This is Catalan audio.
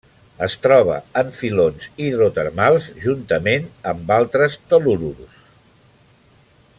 Es troba en filons hidrotermals juntament amb altres tel·lururs.